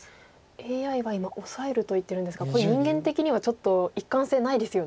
ＡＩは今オサえると言ってるんですがこれ人間的にはちょっと一貫性ないですよね。